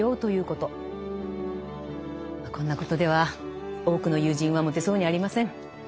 こんなことでは多くの友人は持てそうにありません。